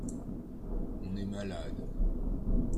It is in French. On est malade.